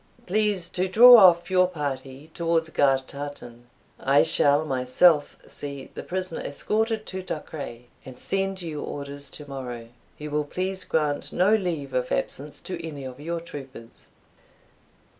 Please to draw off your party towards Gartartan; I shall myself see the prisoner escorted to Duchray, and send you orders tomorrow. You will please grant no leave of absence to any of your troopers."